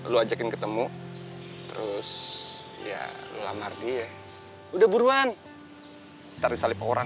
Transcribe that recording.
lu ajakin ketemu terus ya ngelamar dia udah buruan dari salib orang